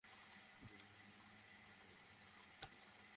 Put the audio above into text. দক্ষিণের এই অংশের সব মানুষকে সরিয়ে ফেলুন।